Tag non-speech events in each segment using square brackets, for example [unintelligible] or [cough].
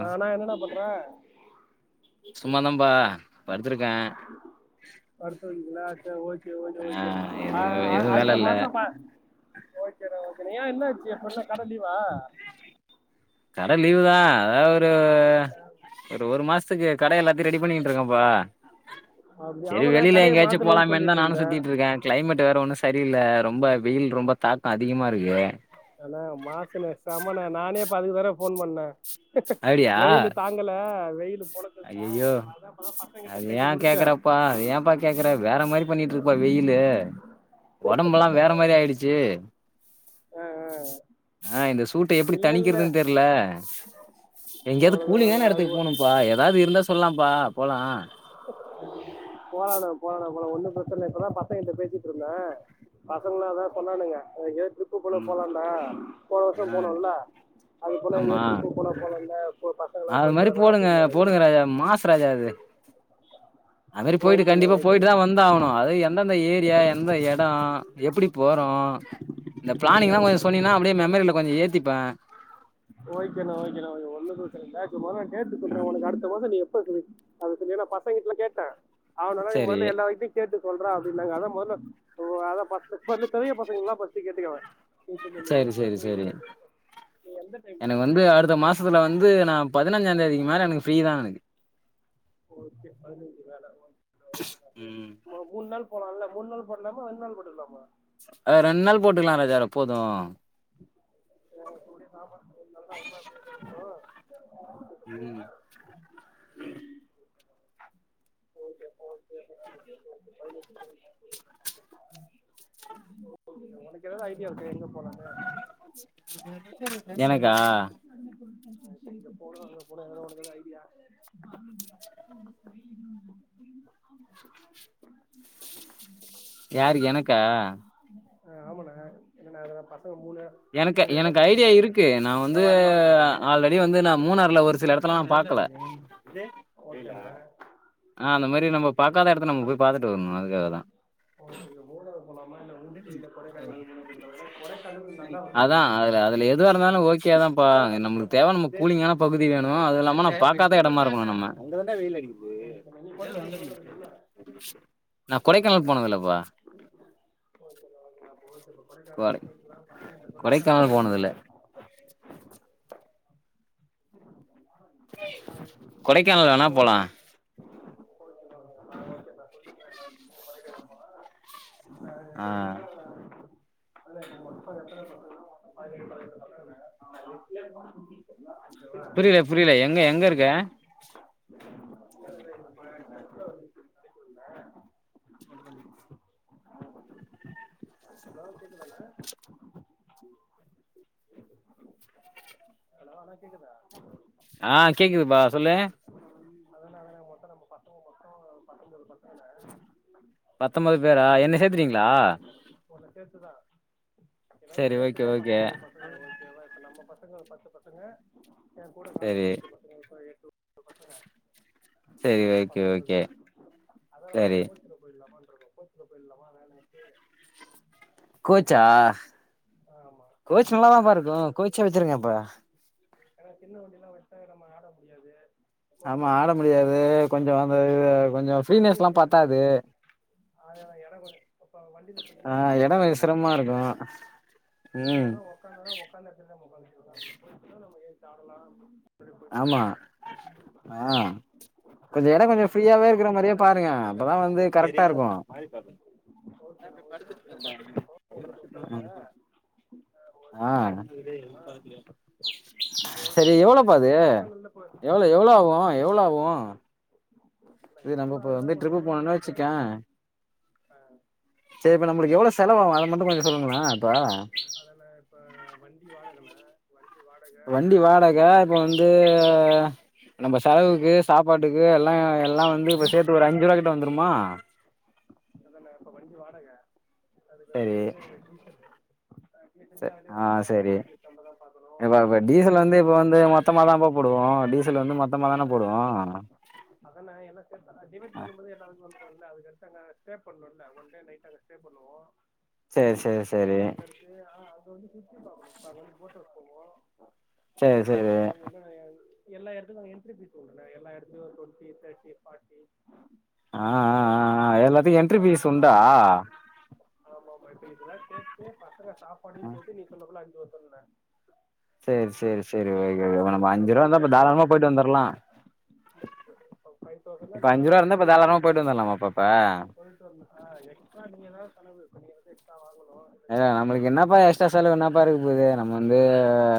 அ ணா என்னணா பண்ற. சும்மா தாம்பா படுத்துருக்கே படுத்துருகீங்ளா செர் ஓக்கே ஓக்கே ஆ ஓக்கே அ எதுவு அ எதுவு வேல அடுத்த இல்ல மாச பா ஓக்கேணா ஓக்கேணா ஏ என்னாச்சி அப்ப என்ன கட லீவா கட லீவு தா அதாவ் ஒரு ஒரு ஒரு மாஷ்த்துக்கு கட எல்லாத்தி ரெடி பண்ணிகிட்ருக்க பா அப்படி செரி ஆமாண்ணா வெளில கடைய எங்கயாச்சு மாத்தணும்னு போலாமேன் சொல்லிட்டு தா நானு இருந்தேன் சுத்திட்ருக்கே க்ளைமெட் வேற ஒன்னு செட் வெளில ரொம்ப வெயில் ரொம்ப தாக்க அதிகமாருக்கு அனா மாசு ணா செம ணா நானே‌ இப்ப அதுக்கு தாணா ஃபோன் பண்ணே வெயிலு தாங்கல வெயிலு பொலக்குது ஐயயோ அத யேன் முடிச்சேன் கேக்கிறப்பா ஏன்பா கேக்கிற வேற மாரி பண்ணிட்ருக்குப்பா வெயிலு அ ஒடம்பெல்லா வேற மாரி ஆய்டுச்சு ஆ, ஆ. ஆ இந்த சூட்ட எப்டி இல்ல இல்ல தணிக்கிறதுன் தெர்ல எங்கயாது அவ்வளவுதான் கூலிங்கான அவ்வளவுதான் எடத்துக்கு அது போணும்பா ஏதாது இருந்தா சொல்லாம்ப்பா போலா அ போலாணா போலாணா ஒன்னு பிரச்ச இப்பதா பசங்கட்ட பேசிட்ருந்தே பசங்களு அதா சொன்னானுங்க [inaudible] ட்ரிப்பு போல ம் போலண்டா போன வர்ஷம் ஆ போனோல அது போல எங்கயாது ட்ரிப்பு போல போலாண்டா அ அது மாரி போடுங்க போடுங்க ராஜ மாஸ் ராஜா அது அவரு போய்ட்டு ஓகேண்ணா கண்டிப்பா போய்ட்டு ஓகேண்ணா தா வந்தாகணு அது எந்தெந்த ஏரியா எந்த எட எப்டி போறோ அ இந்த ப்ளானிங்லா கொஞ்சொ சொன்னீங்கனா அப்டியே மெமரில கொஞ்சொ ஏத்திப்பே ஓக்கேணா‌ ஓக்கேணா ஒன்னு பிரச்சனை இல்ல நா மொத கேட்டு சொல்றே உனக்கு அடுத்த மாஷோ நீ செரி அதுக்கு மொத பசங்கட்ட கேட்டே அவனால செரி முதல்ல எல்லார்கிட்டயு கேட்டு சொல்றா அப்டினாங்க அதா மொதல்ல அதா ஃபஸ்ட்டு [inaudible] பெரிய பசங்கலா ஃபஸ்ட்டு கேட்டுக்கங்க பேசிட்ருந்திங்களே செரி எப்ப போய் [unintelligible] நீ எந்த டைம் எனக் உனக்கு வந்து அடுத்த மாசத்துல வந்து நா பதுனஞ்சாந்தேதிக்கு மேல எனக்கு ஃப்ரீதா எனக்கு ஓக்கே பதுனஞ்சுநா [unintelligible] ம் ஒரு மூண் நாள் போலான்ல மூண் நாள் போட்லாமா ரெண்ட் நாள் போட்டுக்லாமா அ‌ ரெண் நாள் போட்டுக்கலா ராஜா போது [unintelligible] ம் ஒனக்கெதாவது ஐடியா இருக்கா‌ எங்க போலான்னு எனக்கா [unintelligible] ஐடியா [unintelligible] யார் எனக்கா அ‌ பசங்க மூணு மூணு எட ய இருக்கு நா வந்து ஆல்ரெடி வந்து நா மூணாறுல ஒரு சில எடத்தலா பாக்கல ஓக்கேணா ஆ அந்த மாரி நம்ம பாக்காத எடத்த நம்ம போய் பாத்துட்டு வர்ணு அதுக்காகதா உங்களுக்கு மூணாறு போலாமா இல்ல ஊட்டி இல்ல கொடைக்கானல் இத விட கொடைக்கானல் நல்லா அதா இருக்கும் அதுல அது எதுவாருந்தாலு ஓகேதான்ப்பா நம்முளுக்கு தேவ நம்ம கூலிங்கான பகுதி வேணு அதில்லாம நம்ம பாக்காத எடமாருக்கணும் நம்ம புல்லரிக்குது ஏ இப்ப மணி இல்லல்ல ஒன்னுல்ல நா கொடைக்கானல் போனதில்லப்பா ஓகேண்ணா ஓகேண்ணா அப்ப ஓகே இப்ப கொடைக்கானல் [unintelligible] போறதுக்கு பசங்க சொல்லுங்க கொடைக்கானல் பசங்க போனதில்ல கொடைக்கானல் வெணா போலா ஓகேண்ணா ஓகேண்ணா சொல்லிடுறேன் எல்லாருக்கும் கொடைக்கானல் ஆ இப்ப எப்படின்னா சேர்த்துதான் [unintelligible] புரியல புரியல எங்க எங்க இருக்க [unintelligible] நோ கேக்குதானா ஒனக் கேக்குதா ஆ கேக்குதுப்பா சொல்லு மொத்தோ நம்ம பசங்க மொத்தோ பத்தொன்பது பசங்கன பத்தொன்பது பேரா என்ன சேத்துடிங்களா உங்கள சேத்துதா எல்லோரையு ஓகே சேத்துதா ஓகே. பத்தொன்பது பசங்க ஓக்கேவா இப்ப நம்ப பசங்க பசங்க பத்து பசங்க ஏ கூட காலேஜ் சரி படிச்ச எட்டு பசங்க சரி மொத்தோ ஓகே பத்தொம்போது ஓகே. அதா மொதல சரி கோச்சுட்டு போயிடலாம கோச்சுக்கிட்ட போயிடலாமா வேலை வந்துட்டு கோச்சா ஆமா கோச்சு நல்லாதான் பா இருக்கு கோச்சே வெச்சிருங்க அப்போ ஏன்னா சின்ன வண்டி எல்லா வெச்சா நம்ப ஆட முடியாது ஆமா கோச்சில் ஆட இருந்து ஆடிட்டு முடியாது இருக்கலாம் நல்லா கொஞ்சு அந்த கொஞ்சு ஃரீனஸ் எல்லா பத்தாது அததா என கொஞ்சு அப்ப வண்டியில இப்ப ஆ இன்னமாவது எடோ கூட கொஞ்சோ வெச்சுட்டு சிரமமா போனோ இருக்கு வெயிங்களே என்னா ம் ஒன்னு ஒக்காந்தோனோ ஒக்காந்த எடத்துலேயே நம்ம ஒக்காந்து இருக்கனு அப்பதா உக்காந்துச்ச நம்ம ஏன்ச்சு ஆடலா ஆமா ஆ கொஞ்சு எடோ கொஞ்சு ஜாலியாக ஃப்ரீயாவே இருக்கும் இருக்கிற மாரியே பாருங்க அப்பதா வந்து கரெக்டா இருக்கு ஓகேண்ணா ஓகேண்ணா படுத்து அப்படிதான் பார்த்துட்டு இருக்கோம் ஒன்றும் பிரச்சனை இல்லை இத [unintelligible] ஆ ஓகே சரி இப்போ எவ்வளவு கொடை இப்போ அது கொடைக்கானல்ல இப்போ எவ்வளோ எவ்ளோ ஆகு எதுண்ணே எவ்வளோ ஆகு நான் இது நம்ம எவ்வளோ இப்ப ஆகுதுன்னா வந்து ட்ரிப்பு போனோனா வச்சிக்கே ஆ செரி இப்ப நம்மளுக்கு எவ்வளவு செலவாகு அது மட்டு கொஞ்சு சொல்லுங்களே இப்போ அதான இப்ப வண்டி வாடகனே வண்டி வாடகே இப்ப வந்து நம்ம செலவுக்கு சாப்பாட்டுக்கு எல்லா எல்லா வந்து இப்ப சேர்த்து ஒரு அஞ்சு ரூபா கிட்ட வந்துருமா அத இப்ப வண்டி வாடகே சரி அதுக்கடுத்து டீசலு [unintelligible] அங்கிருந்து ச அதுலேயே ஆ வந்து அவங்க சரி டோல் கேட் தாண்ரதான்னு பாக்கனு இப்ப டிரைவர்க்கு பேட்டா காசு இது அந்த மாரி அதனா என்ன டிபிட் பண்ணும்போது எல்லாமே வந்துரு இல்ல அது அடுத்தாங்க ஸ்டே பண்ணுல ஒன் டே நைட்டு அங்க ஸ்டே பண்ணுவோ செரி செரி செரி ஆ அங்க வந்து சுத்தி பாக்கணு நாங்க வந்து போட்டவுஸ் போவோ சேரி சேரி அதுக்கடுத்து அங்க இங்க ஏ எல்லா எடத்துக்கு என்ட்ரி பீஸ்குடுக்கனு எல்லா எடத்தையு டுவெண்டி தேட்டி பாட்டி ஆ அந்த ஆ எடத்துல என்ரி ஆ பீஸ் ஆ கேப்பாங்க எல்லாத்துக்கு இப்ப என்ட்ரி ஃபீஸ் அதெல்லா உண்டா காசு குடுக்குனு ஆமா ஆமாப்ப இதெல்லா சேத்து பசங்க சாப்பாடையு சேத்து நீ சொன்னக்குள்ள அஞ்சு வந்துருல்ல செரி செரி செரிக இப்ப நம்ம அஞ்சு ரூபா ஃபைவ் இருந்தா இப்ப தௌசண்ட் ஆகும் தாராலமா போயிட்டு வந்துரலா இப்போ ஃபைவ் தௌசண்ட்னா இப்ப அஞ்சு ரூபா தாராளமாக இருந்தாப்ப தாரலமா போயிட்டு வந்துடலாம் வந்துரலாமா இப்பப்ப போயிட்டு வரளா எக்ஸ்ரா நீ ஏதாவது செலவு இப்போ நீ வந்து எக்ஸ்ட்ரா வாங்கணும் இல்லை நீ ஏ ஏதாவது எக்ஸ்ட்ரா நம்மளுக்கு என்னப்பா சாப்பிட எக்ஸ்ட்ரா செலவு என்னப்பா இருக்க போகுது நம்ம வந்து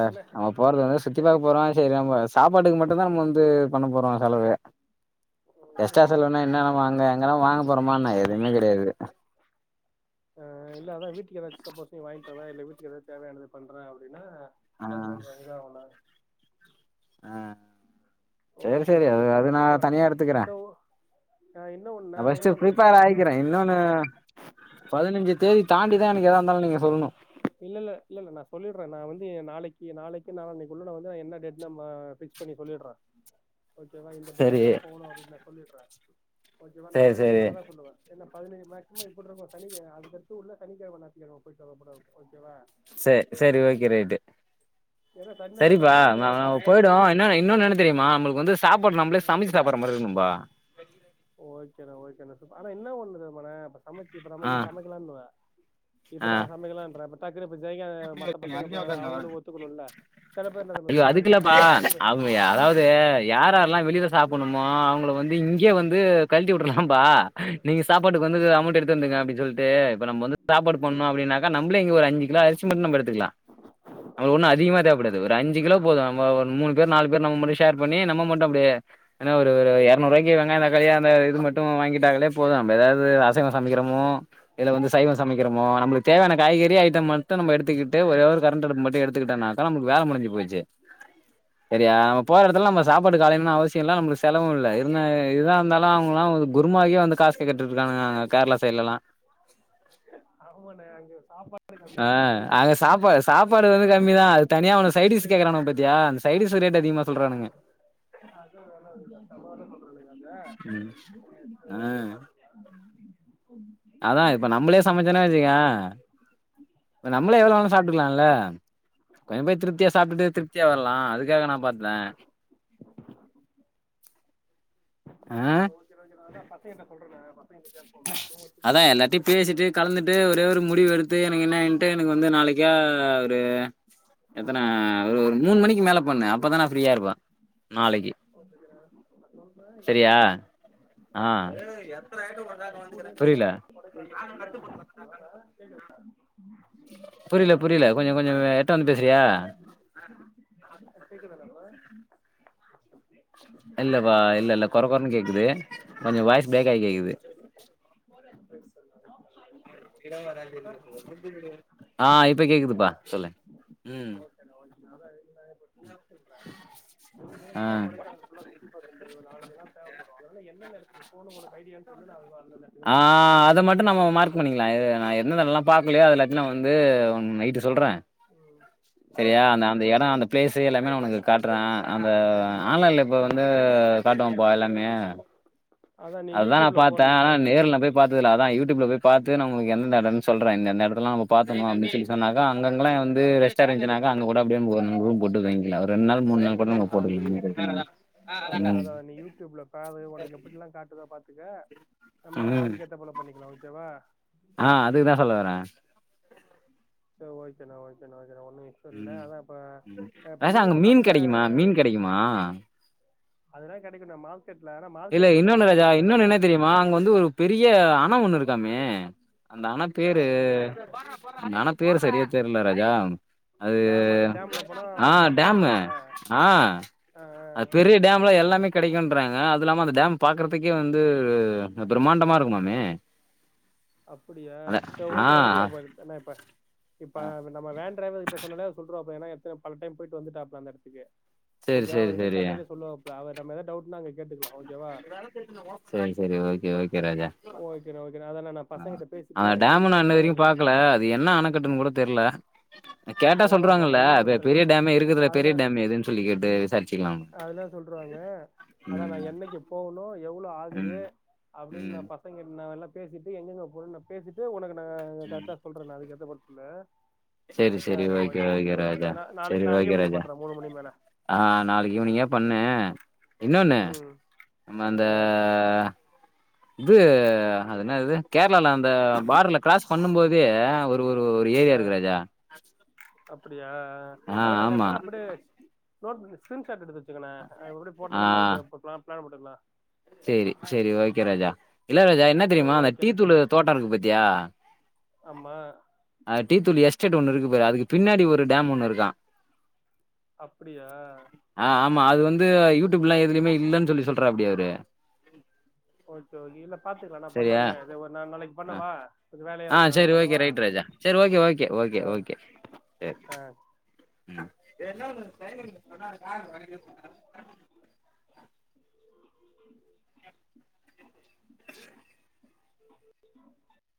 இல்ல நம்ம போறது வந்து சு இல்ல த்தி பாக்க போறோ வீட்டுக்கு செரி நம்ம சாப்பாட்டுக்கு மட்டுந்தா நம்ம வந்து பண்ண போரோ செலவு இல்ல எஸ்டா வீட்டுக்கு சொல்லவுனா சப்போஸ் என்னன்னா வாங்க ஏதாச்சும் எங்கானா வாங்க போறோமனா எதுவுமே கெடையாது ஆ இல்ல அதா வீட்டுக்கு ஏதாது சப்போஸ் நீ வாங்கிட்டுவர இல்ல வீட்டுக்கு ஏதாவது தேவையானது பண்றே அப்படின்னா ஆ அது கொஞ்சு இதாகுல ஆ செரி செரி ஓகேண்ணா அது அது ஓகேண்ணா நா இப்பப்ப தனியா எடுத்துக்கிறே சோ ஆ இன்னொன்னு நா ஆனா ஃஸ்ட்டு இன்னொன்னு இப்ப பிரேப்பர் நம்ம ஆயிக்கிறே இன்னொன்னு பதினஞ்சு தேதி தாண்டிா நீங்க ஏதா இருந்தாலு நீங்க சொல்லுணு இல்லல்ல இல்லல்ல நா சொல்லிட்ரே நா வந்து நாளைக்கு நாளைக்கு நால நாளிக்குள்ளே நா வந்து என்ன டேட்டுனு ஆ பே பண்ணி சொல்லிடுறே ஓக்கேவா இந்த சரி டேட்ல தா போகணு அப்படின்னு நா சொல்லிடுறே ஓக்கேவா நா சரி பதினஞ்சு சரி வேலைதா சொல்லுவே என்னா பதினஞ்சு மேக்சிமம் எப்பிடி இருக்கு சனிக் அது அடுத்து உள்ள சனிக்கிழம ஞாயித்து கெழம போயிட்டு ஓப்பனா இருக்கு ஓக்கேவா சே சேரி ஓக்கே ரைட்டு ஏன்னா சனி சரிப்பா ஞாயிறுனாதா நா பச போயிடு என்ன இன்னொன்னு என்ன தெரியுமா நம்முளுக்கு வந்து சாப்பாடு நம்மளே ஆ சமைச்சு சாப்பிடுர மாரி இருக்கணும்பா ஓகேண்ணா ஓகேண்ணா சூப் ஆனா என்ன ஒன்னு தெரியுமானே சமச்சு இப்ப நம்ம ஆ நீ சமைக்கலானு போற இப்ப ஆ நா சமைக்கலான்றே பட் வீரப்ப ஜெய்க்க மத்த பசங்க இப்ப அவ்ங்களு ஒத்துக்கணுல செல பேர் என்ன தெரிய்மா சொல்றாங்க ஐ டைம்பு எ அதாவ்து யாரார்லா வெளில சாப்புட்ணுமோ அவ்ங்களுக்கு வந்து இங்கே வந்து கழ்ட்டி விட்றலாம்பா நீங்க சாப்பாட்டுக்கு வந்துக்கு அமௌண்ட் எடுத்து வந்துங்க ப்டி சொல்ட்டு இப்ப நம்ப வந்து சாப்பாடு பண்ணு அப்டினாக்கா நம்பளே இங்க ஒரு அஞ்சு கிலோ அரிசி ட்த்துக்லா அவளோ ஒன்னு அதிகமா தேவப்படாது ஒரு அஞ்சு கிலோ போது நம்ம ஒரு மூணு பேர் நாலு பேர் நம்ம மட்டு ஷேர் பண்ணி நம்ம மட்டு அப்டியே என்ன ஒரு ஒரு எர் நூருவாக்கி வெங்காய தக்காளி அந்த இது மட்டு வாங்கிட்டாங்களே போது நம்ப எதாவ்து அசைவ சமைக்கிறமோ இல்ல வந்து சை சைவ சமைக்கிறமோ நம்மளுக்கு தேவையான காய்கறி ஐட்டம் மட் டு நம்ம எடுத்துக்கிட்டு ஒரே ஒரு கரண்ட் அடுப்பு மட்டு எடுத்துக்கிட்டனாக்கா நமக்கு வேல முடிஞ்சு போச்சு செரியா நம்ம போற எடத்துல நம்ம சாப்பாட்டுக்கு அலையனுனு அவசிய இல்ல நம்மளுக்கு செலவு இல்ல இருன்னா ஏ இதுதா இருந்தாலு அவ்ங்கலா ஒரு குருமாவுக்கே வந்து காசு கேட்டுட்டு இருக்கானுங்க அங்க கேர்ளா சைட்லலா ஆமானே அங்க ஒர் ஆ அங்க சாப்பா சாப்பாடு வந்து கம்மிதா அது தனியா அவனுக சைடிஸ் கேக்குறானுங்க பாத்தியா அந்த சைடிஸ்சு ரேட்டு அதிகமா சொல்றானுங்க அதா வெல அதிக தப்பாதா சொல்றனுங்க ம் அங்க ஆ நெக்ஸ்ட் ஓகே பாத்துக்லா ம் அதா இப்ப நம்மளே சமைச்சோன்னா வச்சுக்க இப்ப நம்மளே எவ்ளோ வேணா சாப்ட்டுக்கலால்ல ஏங்க நா பாத்தே ஆ ஓகேனா ஓகேனா அதா பசங்கெட சொல்றனா எப்போ மேக்சிம அதா எல்லார்டையு பேசிட்டு கலந்துட்டு ஒரே ஒரு முடிவு எடுத்து எனக்கு என்னான்ட்டு எனக்கு வந்து நாளைக்கா ஒரு அ எத்தன ஒரு ஒரு மூணு மணிக்கு மேல பண்ணு அப்பதா நா ஃப்ரீயா இருப்ப ஓகேங்கனா நா சொல்றே சரியா இன்னொன்னு ஆ புரிய்ல அண்ணா கேக்குதா புரிய்ல புரிய்ல கொஞ்ச கொஞ்ச அ எட்ட வந்து பேசுறியா நானு கேக்குதாண்ணா இல்லப்பா இல்ல இல்ல கொர கொரன்னு கேக்குது கொஞ்ச வாய்ஸ் பேரக்காயி கேக்குது சேரி சொல்லு ஆ இப்ப கேக்குதுப்பா சொல்லு ம் இப்ப ஓகேண்ணா ஓகேண்ணா அதா ப்ரோ ஆ நேத்துதா கொடைக்கானல் ஃபுல்லா சுத்தி பாத்தே ப் ரோ ஒரு நாலஞ்சு நாள் தேவப்படு அதனால என்னென்ன எடத்துக்கு போனு உனக்கு ஐடியான் சொல்லு நா வா ஆ அத மட்டு நம்ம மார்க் பண்ணிக்குலா எது நா என்னென்ன என்னெல்லா பாக்கலையோ அத எல்லாத்தையு நம்ம வந் ந்து ம் நைட்டு சொல்றே ம் ஆ செரியா நா அந்த எட அந்த பிளேஸு எல்லாமே நா ஒனக்கு காட்றே அந்த ஆன்லைன்ல இப்ப வந்து அ காட்டுவாம்ப்பா எல்லாமே நீ அதா நா யூடியூப்ல பாத்தே ஆனா போடுண்ணே நேர்ல நா போய் பாத்ததில்ல அதா யூட்யூப்ல போய் பாத்து நம்மளுக்கு எந்த எந்த எடன்னு சொல்றே இந்த இந்த எடத்தலா நம்ம பாக்கணு அப்டின் சொல்லி சொன்னாதா அங்கங்கலா வந்து ரெஸ்டாரன்ட்னா ஆ அங்க கூட அப்டியே ம் ஒரு ரூம் போட்டு தங்கிக்லா அ ஒரு ரெண்ட் நாள் மூண் நாள் கூட நம்ம ஆ போட்டுக்கலாம். ஒண்ணும் பிரச்சனை இல்ல. அதா ம். அதா நீ யூட்யூப்ல பாரு ஒனக்கு எப்டிலா காட்டுதோ பாத் த்துக்க நம்ம ம். அதுக்கு ஏத்த போல பண்ணிக்கலா ஓகேவா ஆ அதுக்குதா சொல்ல வரே சேரி ஓகேனா ஓகேனா ஓக் ம் ம் இப்ப ராசா நீ அங்க இப்ப மீன் பசங்க கெடைக்குமா மீன் கெடைக்குமா அதுலா கெடைக்கு நம்மால் இல்ல இன்னொன்னு ராஜா இன்னொன்னு என்ன தெரியுமா அங்க வந்து ஒரு பெரிய அண ஒன்னு இருக்காமே அந்த அணப் ஆ பேரு அந்த அணப் பேரு சரியா தெர்ல ராஜா அது டேம் அந்த டேம்ல போனா ஆ வாங்கி டேமு சாப்பிடலான்றாங்களா ஆ ஆ ஆ அது பெரிய டேம்ல எல்லாமே கடைக்கும்ன்றாங்க அது இல்லாம அந்த டேம் பாக்குறதுக்கே வந்து பிரம்மாண்டமா இருக்குமாமே அப்படியா அத ச ஆ ஓகிட்டேன் ஒண்ணுல இப்ப இப்ப ஆ நம்ம வேன் டிரைவர் கிட்ட சொன்னாலே அவ்ரு சொல்றப்ல ஏன எத்தனை பலடைம் போயிட்டு வந்துட்டா அந்த எடத்துக்கு சேரி ஓகே வா சேரி அவர்கிட்ட சேரி கேட்டாலே சொல்லுவாப்புல அவ நம் ஏதாவ டவுட்டுன்ன அங்க கேட்டுக்கலா ஓகேவா சரி சரி ஓகே ஓகே ராஜா ஓகேண்ணா ஓகேண்ணா அதாண்ணா நா ஆ பசங்கிட்ட பேசிட்டு அந்த டேம் என்ன நான் இன்ன வரைக்கும் எ பாக்கல அது என்ன அணக்கட்டுன்னு கூட தெரில கேட்டா போலாம்பா சொல்லறாங்கல்ல ஒன்னு பிரச்சன இல்ல பெரிய டேமே இருக்குதுல அதெல்லா பெரிய டேம் எதுன்னு சொல்லி கேட்டு விசாரிச்சிக்கலாம் அதெல்லா சொல்ருவாங்க அதான் நான் என்னைக்கு போகணு எவ்வளவு ஆகுது ம் அப்படின்னு நா ம் பசங்கல்லா நாங்களா பேசிட்டு எங்கங்க போனு பேசிட்டு உனக்கு ங்க ம் கரெடா சொல்றேன்ன அதுக்குேத்த போ சொல்லு சரி சரி சேரிண்ணா ஓகே ஓகேண்ணா ஓகே ராஜா சேரிண்ணா நாளை சரி நாளை ஓகே ஈவினிங் ராஜா பண்றே மூணு மணி மேல ஆ நாளைக்கு ஈவினிங்க பன் ன்னு இன்னொன்னு ம் நம்ம அந்த ஆ இது அ என்ன இது கேரளால அந்த பார்டர்ல கிராஸ் பண்ணும் போதே ஒரு ஒரு ஒரு ஏரியா இருக்குிறாஜா ஆ ஆ அதனால அந்த இடத்து அப்படிய நோட் ஸ்கிரீன்ஷாட் எடுத்து வச்சு க்கண்ணா எப்படி போட்டே நம்ம அதுக்கு பிளான் போட்டுக்கலா சரி சரி ஓகே ராஜா இல்ல ராஜா என்ன சேரி தெரியுமா அந்த டீ ஓகேண்ணா தூள் தோட்ட இருக்கு பாத்தியா ஆமா அ டீத்தூள் எஸ்டேட் ஒண்ணு இருக்கு பாரு அதுக்கு பின்னாடி ஒரு டேம் ஒண்ணு இருக்கா அப்டியா ஆ ஆமா அது வந்து யூ ட்யூப்ல்லா எதுலையுமே இல்லன்னு சொல்லி சொல்றா அப்டி அவரு ஓகே ஓகே இல்ல பாத்துக்கலா நான் சரியா பண்றே நா நாளைக்கு பண்ணவா கொஞ்ச வேலையா இருக்கே நாளைக்கு பண்ணவா சரி ஓகே ஓகே ஓகே சரி ஓகே ஆ ம் உ [unintelligible] [unintelligible] [unintelligible]